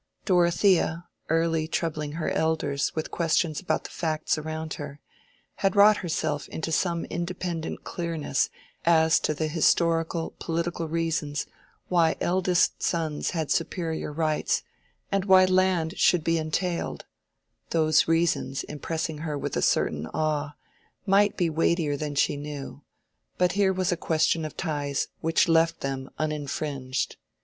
Dorothea, early troubling her elders with questions about the facts around her, had wrought herself into some independent clearness as to the historical, political reasons why eldest sons had superior rights, and why land should be entailed: those reasons, impressing her with a certain awe, might be weightier than she knew, but here was a question of ties which left them uninfringed.